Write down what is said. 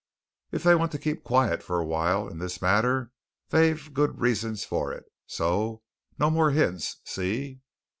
If they want to keep quiet for a while in this matter, they've good reasons for it. So no more hints. See?"